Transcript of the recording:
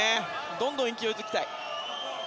どんどん勢いづきたい。